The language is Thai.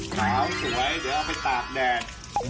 ขาวสวยเดี๋ยวเอาไปตากแดด